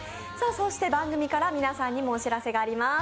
番組から皆さんにもお知らせがあります。